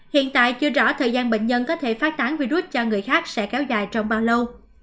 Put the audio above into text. hiện tại chưa rõ thời gian bệnh nhân có thể phát tán virus cho người khác sẽ kéo dài trong bao lâu